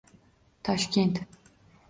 Toshkent